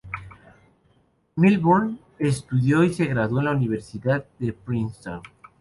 Milburn estudió y se graduó en la Universidad de Princeton.